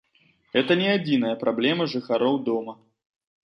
Гэта не адзіная праблема жыхароў дома.